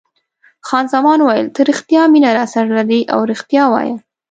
خان زمان وویل: ته رښتیا مینه راسره لرې او رښتیا وایه.